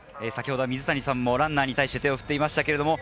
水谷さんもランナーに対して手を振っていました。